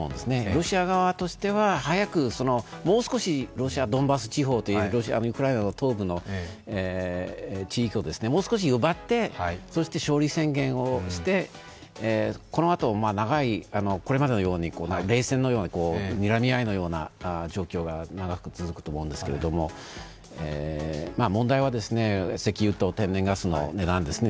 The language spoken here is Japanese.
ロシア側としてはドンバス地方ウクライナ東部の地域をもう少し奪って、そして勝利宣言をして、このあと長いこれまでの冷戦のようなにらみ合いのような状況が長く続くと思うんですけれども、問題は石油と天然ガスの値段ですね。